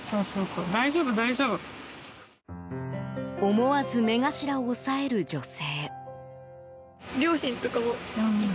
思わず目頭を押さえる女性。